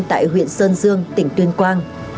tại huyện sơn dương tỉnh tuyên quang